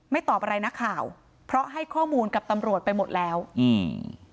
ตอบอะไรนักข่าวเพราะให้ข้อมูลกับตำรวจไปหมดแล้วอืม